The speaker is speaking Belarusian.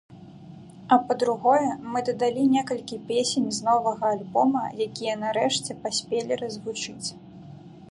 А па-другое, мы дадалі некалькі песень з новага альбома, якія нарэшце паспелі развучыць.